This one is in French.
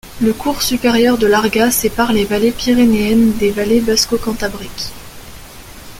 Le cours supérieur de l'Arga sépare les vallées pyrénéennes des vallées basco-cantabriques.